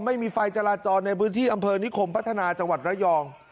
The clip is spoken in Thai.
ไม่มีไฟจราจรในพื้นที่อำเภอนิคมพัฒนาจังหวัดระยอง